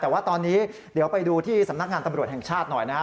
แต่ว่าตอนนี้เดี๋ยวไปดูที่สำนักงานตำรวจแห่งชาติหน่อยนะฮะ